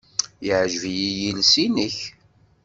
Yeɛjeb-iyi yiles-nnek.